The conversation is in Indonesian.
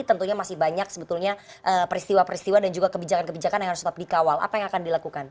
tentunya masih banyak sebetulnya peristiwa peristiwa dan juga kebijakan kebijakan yang harus tetap dikawal apa yang akan dilakukan